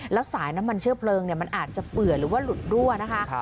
แล้วสายน้ำมันเชื้อเพลิงมันอาจจะเปื่อหรือว่าหลุดรั่วนะคะ